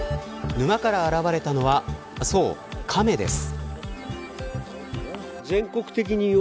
沼から現れたのはそう、カメです。